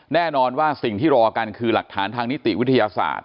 แน่นอนว่าสิ่งที่รอกันคือหลักฐานทางนิติวิทยาศาสตร์